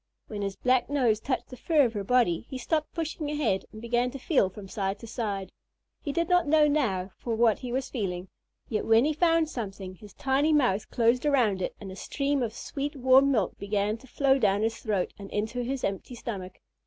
When his black nose touched the fur of her body, he stopped pushing ahead and began to feel from side to side. He did not know now for what he was feeling, yet when he found something his tiny mouth closed around it and a stream of sweet warm milk began to flow down his throat and into his empty stomach.